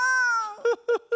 フフフッ。